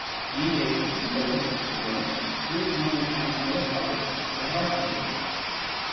And a " simple " symbol is one which has no parts that are symbols.